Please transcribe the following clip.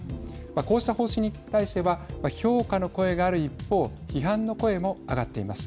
こうした方針に対しては評価の声がある一方批判の声も上がっています。